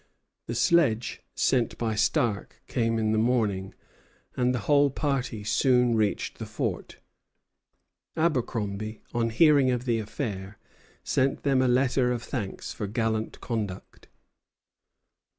The sledge sent by Stark came in the morning, and the whole party soon reached the fort. Abercromby, on hearing of the affair, sent them a letter of thanks for gallant conduct.